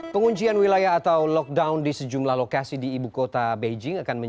penguncian wilayah atau lockdown di sejumlah lokasi di ibu kota beijing